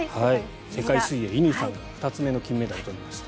世界水泳、乾さんが２つ目の金メダルを取りました。